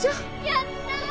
やったあ！